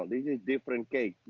ini adalah kebiasaan yang berbeda